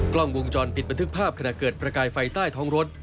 กล้องวงจรปิดบันทึกภาพขณะเกิดประกายไฟใต้ท้องรถ